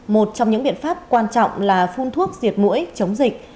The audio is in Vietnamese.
một trong những biện pháp quan trọng là phun thuốc diệt mũi chống dịch